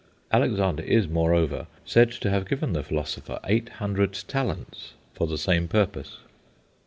Alexander is, moreover, said to have given the philosopher eight hundred talents for the same purpose.